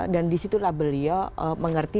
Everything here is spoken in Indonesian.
dan disitulah beliau mengerti